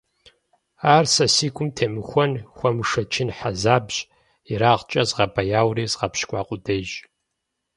Ар сэ си гум темыхуэн, хуэмышэчын хьэзабщ, ерагъкӀэ згъэбэяури згъэпщкӀуа къудейщ.